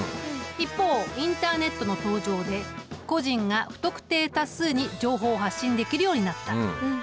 一方インターネットの登場で個人が不特定多数に情報を発信できるようになった。